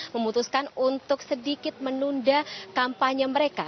memutuskan untuk sedikit menunda kampanye mereka